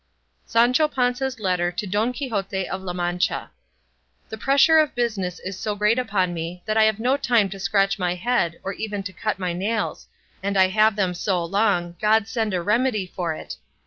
SANCHO PANZA'S LETTER TO DON QUIXOTE OF LA MANCHA. The pressure of business is so great upon me that I have no time to scratch my head or even to cut my nails; and I have them so long God send a remedy for it.